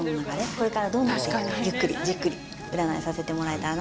これからどうなっていくかじっくり占いさせてもらえたらなと思います。